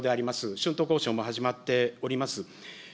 春闘交渉も始まっております。